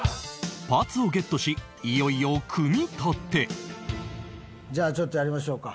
パーツをゲットしいよいよ組み立てじゃあちょっとやりましょうか。